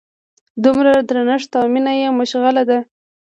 دومره درنښت او مینه یې مشغله ده.